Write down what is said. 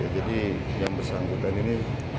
jadi yang bersangkutan ini